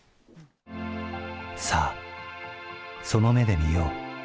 さあ、その目で見よう。